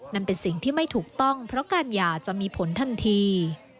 นั่นเป็นสิ่งที่ไม่ถูกต้องเพราะการหย่าจะมีผลทันที